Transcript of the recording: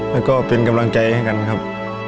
แล้วก็เป็นกำลังใจให้กันครับ